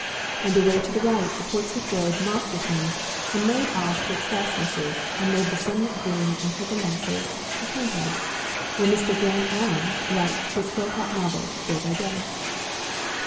And away to the right the Portsmouth road mocked at him and made off to its fastnesses amid the sunlit green and purple masses of Hindhead, where Mr. Grant Allen writes his Hill Top Novels day by day.